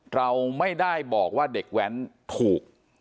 เราไม่ได้บอกว่าเด็กแว้นถูก